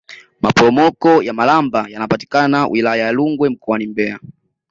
maporomoko ya malamba yanapatikana wilaya ya rungwe mkoani mbeya